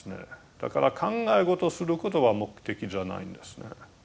だから考え事することが目的じゃないんですね。